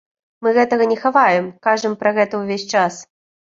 Мы гэтага не хаваем, кажам пра гэта ўвесь час.